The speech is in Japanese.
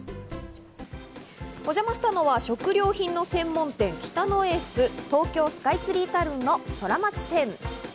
おじゃましたのは食料品の専門店・北野エース、東京スカイツリータウンのソラマチ店。